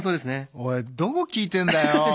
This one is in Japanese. おいどこ聴いてんだよ！